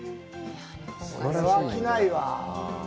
これは飽きないわ。